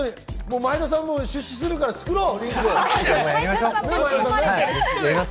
前田さんも出資するから作ろう。